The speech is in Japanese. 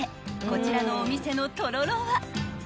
こちらのお店のとろろは］